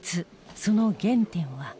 その原点は。